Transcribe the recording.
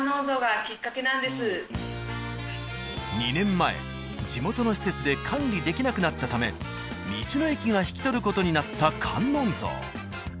２年前地元の施設で管理できなくなったため道の駅が引き取る事になった観音像。